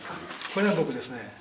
これが僕ですね。